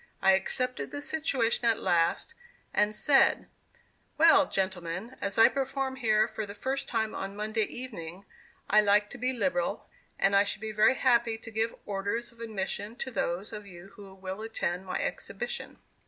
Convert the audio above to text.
I accepted the situation at last, and said: "Well, gentlemen, as I perform here for the first time, on Monday evening, I like to be liberal, and I should be very happy to give orders of admission to those of you who will attend my exhibition."